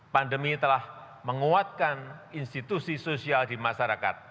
pandemi telah menguatkan institusi sosial di masyarakat